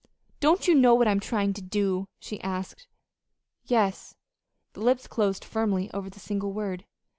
"Don't you know what I'm trying to do?" she asked. "Yes." The lips closed firmly over the single word.